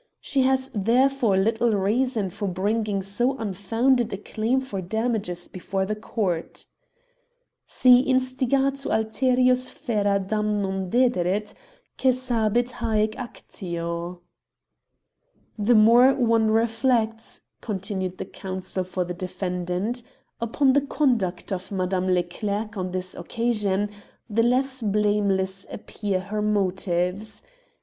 She has therefore little reason for bringing so unfounded a claim for damages before the Court. St instigatu alterius fera damnum dederit, cessabit hcec actio (Liv. i. § 6, lib. I). "The more one reflects," continued the counsel for the defendant, upon the conduct of Madame Leclerc on this occasion, the less blameless appear 212 L The Jackass of Vanvres her motives.